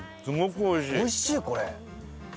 おいしいこれ！